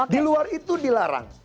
di luar itu dilarang